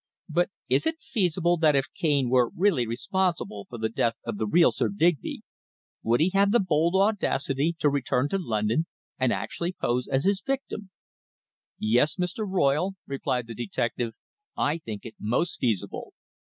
"But is it feasible that if Cane were really responsible for the death of the real Sir Digby, would he have the bold audacity to return to London and actually pose as his victim?" "Yes, Mr. Royle," replied the detective, "I think it most feasible.